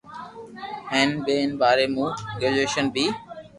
ھي ين ٻاري مون ڪريجويݾن بي